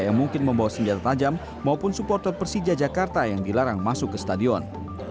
yang mungkin membawa senjata tajam maupun supporter persija jakarta yang dilarang masuk ke stadion